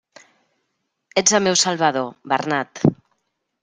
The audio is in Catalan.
Ets el meu salvador, Bernat!